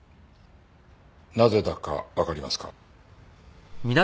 なぜだかわかりますか？